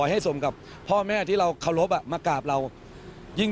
ให้สมกับพ่อแม่ที่เราขอลบมากราบเรายิ่งเห็นเขาทำอย่างนั้น